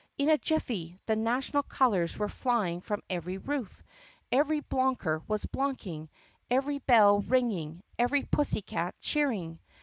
In a jiffy the national colors were flying from every roof, every bloonker was bloonking, every bell ring ing, every pussycat cheering.